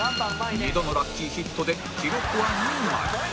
２度のラッキーヒットで記録は２枚